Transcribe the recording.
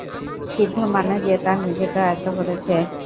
সিদ্ধ মানে যে তার নিজেকে আয়ত্ত করেছে।